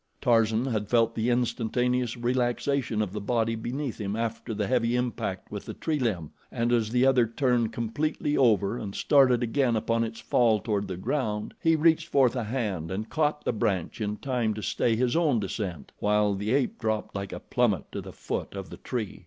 Tarzan had felt the instantaneous relaxation of the body beneath him after the heavy impact with the tree limb, and as the other turned completely over and started again upon its fall toward the ground, he reached forth a hand and caught the branch in time to stay his own descent, while the ape dropped like a plummet to the foot of the tree.